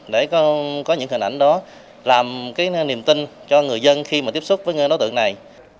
để có những hình ảnh đó làm cái niềm tin cho người dân khi mà tiếp xúc với đối tượng này